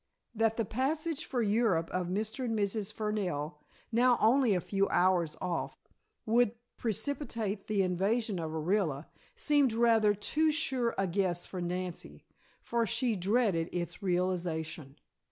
That the passage for Europe of Mr. and Mrs. Fernell, now only a few hours off, would precipitate the invasion of Orilla, seemed rather too sure a guess for Nancy, for she dreaded its realization.